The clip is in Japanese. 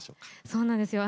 そうなんですよ